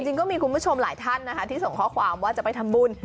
จริงก็มีคุณผู้ชมหลายท่านนะคะที่ส่งข้อความว่าจะไปทำบุญ